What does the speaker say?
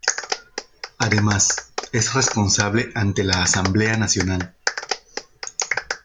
Además, es responsable ante la Asamblea Nacional.